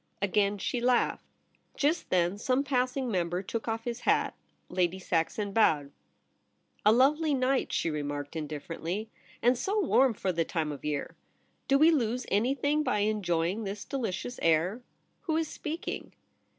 Again she laughed. Just then some passing member took off his hat. Lady Saxon bowed. ' A lovely night,' she remarked indifferently, * and so warm for the time of year ! Do we lose anything by enjoying this delicious air ? Who is speaking